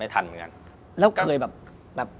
ที่ผ่านมาที่มันถูกบอกว่าเป็นกีฬาพื้นบ้านเนี่ย